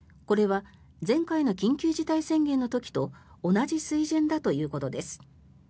これは前回の緊急事態宣言の時と同じ水準だということです。